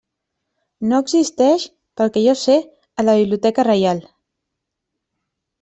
No existeix, pel que jo sé, a la Biblioteca Reial.